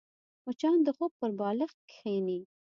مچان د خوب پر بالښت کښېني